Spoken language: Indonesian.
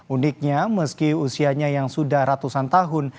uniknya meski usianya yang sudah ratusan tahun